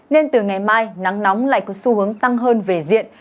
nên từ ngày mai nắng nóng lại có xu hướng tăng hơn về diện